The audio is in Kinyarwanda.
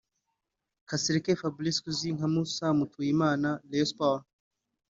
Kasereka Fabrice uzwi nka Moussa Mutuyimana (Rayon Sports)